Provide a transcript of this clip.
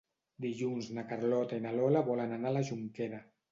Dilluns na Carlota i na Lola volen anar a la Jonquera.